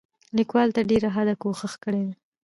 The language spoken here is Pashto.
لیکوال تر ډېره حده کوښښ کړی دی،